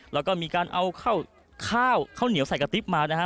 แล้วก็มีการเอาข้าวข้าวเหนียวใส่กระติ๊บมานะฮะ